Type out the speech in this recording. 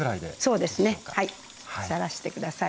そうですねはいさらして下さい。